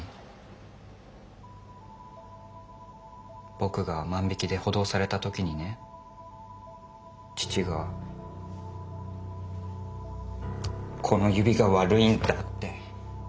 僕が万引きで補導された時にね父がこの指が悪いんだって。